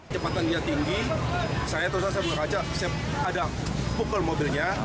cepatannya tinggi saya terus aja ada pukul mobilnya